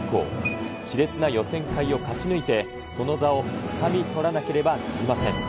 しれつな予選会を勝ち抜いて、その座をつかみ取らなければなりません。